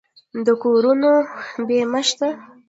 د کورونو بیمه شته؟